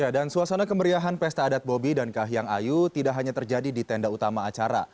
dan suasana kemeriahan pesta adat bobi dan kahiyang ayu tidak hanya terjadi di tenda utama acara